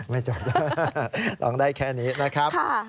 ไม่จบร้องได้แค่นี้นะครับ